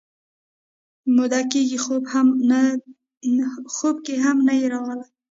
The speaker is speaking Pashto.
موده کېږي خوب کې هم نه یې راغلی